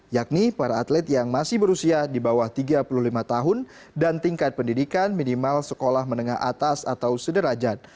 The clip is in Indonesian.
yakni para atlet yang masih berusia di bawah tiga puluh lima tahun dan tingkat pendidikan minimal sekolah menengah atas atau sederajat